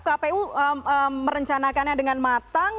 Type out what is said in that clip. kpu merencanakannya dengan matang